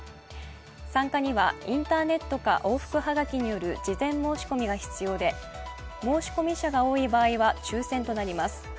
参加にはインターネットか往復葉書による事前申し込みが必要で申し込み者が多い場合は抽選となります。